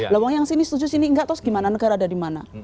lewang yang sini setuju sini nggak tau gimana negara ada di mana